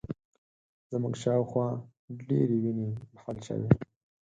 زموږ شا و خوا ډېرې وینې بهول شوې